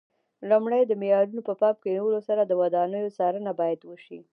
لومړی د معیارونو په پام کې نیولو سره د ودانیو څارنه باید وشي.